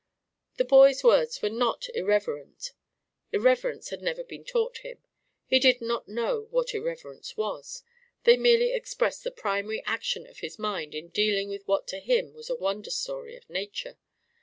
The boy's words were not irreverent; irreverence had never been taught him; he did not know what irreverence was. They merely expressed the primary action of his mind in dealing with what to him was a wonder story of Nature.